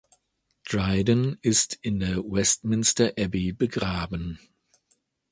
Dryden ist in der Westminster Abbey begraben.